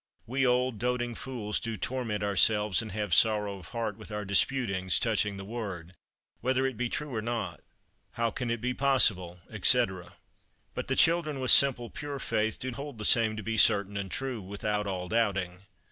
We old doting fools do torment ourselves and have sorrow of heart with our disputings, touching the Word, whether it be true or not: "How can it be possible?" etc. But the children with simple pure faith do hold the same to be certain and true, without all doubting.